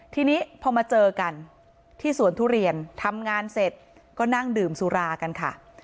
ทีนี้พอมาเจอกันที่สวนทุเรียนทำงานเสร็จก็นั่งดื่มสุรากันค่ะ